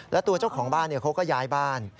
แล้วตัวเจ้าของบ้านเขาก็ย้ายบ้าน